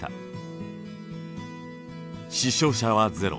死傷者はゼロ。